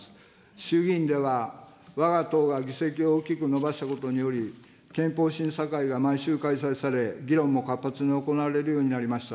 衆議院では、わが党が議席を大きく伸ばしたことにより、憲法審査会が毎週開催され、議論も活発に行われるようになりました。